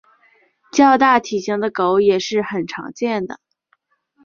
较大体型的狗也是很常见的。